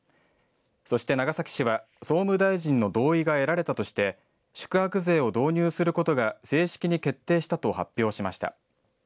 そして長崎市は総務大臣の同意が得られたとして宿泊税を導入することが正式に決定したと発表しました。